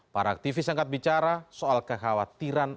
para aktivis yang akan bicara soal kekhawatiran